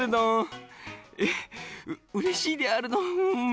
えっうれしいであるドン。